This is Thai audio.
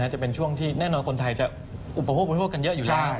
จะเป็นช่วงที่แน่นอนคนไทยจะอุปโภคบริโภคกันเยอะอยู่ได้